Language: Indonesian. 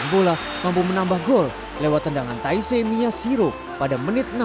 yang bola mampu menambah gol lewat tendangan taisei miyashiro pada menit enam puluh sembilan